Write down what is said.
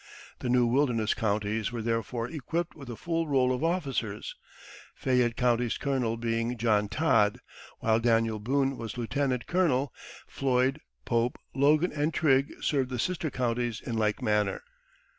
The new wilderness counties were therefore equipped with a full roll of officers, Fayette County's colonel being John Todd, while Daniel Boone was lieutenant colonel; Floyd, Pope, Logan, and Trigg served the sister counties in like manner.